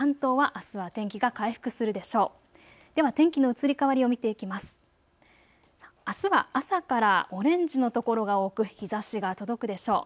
あすは朝からオレンジの所が多く日ざしが届くでしょう。